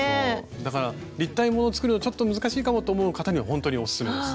だから立体もの作るのちょっと難しいかもと思う方にはほんとにオススメです。